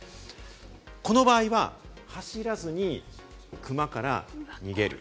この場合は走らずにクマから逃げる。